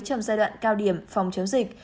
trong giai đoạn cao điểm phòng chống dịch